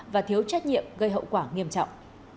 và thiếu trách nhiệm gây hậu quả nghiêm trọng